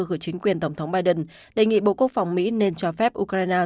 gửi chính quyền tổng thống biden đề nghị bộ quốc phòng mỹ nên cho phép ukraine